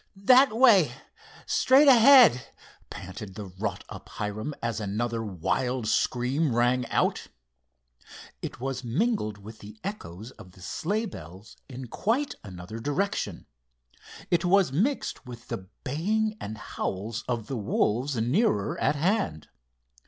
"That way, straight ahead," panted the wrought up Hiram, as another wild scream rang out. It was mingled with the echoes of the sleigh bells in quite another direction. It was mixed with the baying and howls of the wolves nearer at hand.